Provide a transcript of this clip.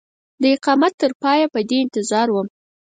د اقامت تر پایه په دې انتظار وم.